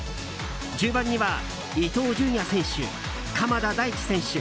中盤には伊東純也選手、鎌田大地選手。